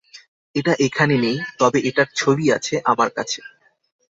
এটা এখানে নেই, তবে এটার ছবি আছে আমার কাছে।